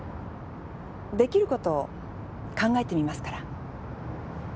できることを考えてみますから。